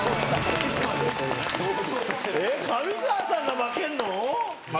上川さんが負けるの！？